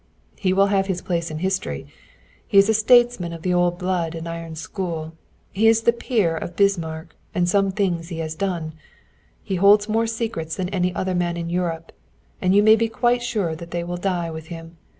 "He will have his place in history; he is a statesman of the old blood and iron school; he is the peer of Bismarck, and some things he has done. He holds more secrets than any other man in Europe and you may be quite sure that they will die with him.